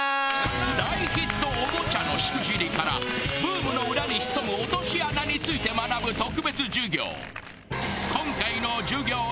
大ヒットおもちゃのしくじりからブームの裏に潜む落とし穴について学ぶ特別授業。